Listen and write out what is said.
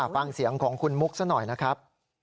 ฟังเสียงของคุณมุกซะหน่อยนะครับ